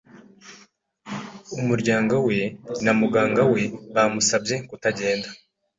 Umuryango we na muganga we bamusabye kutagenda.